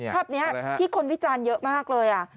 ภาพนี้ที่คนวิจารณ์เยอะมากเลย